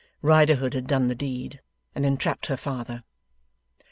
Riderhood had done the deed, and entrapped her father.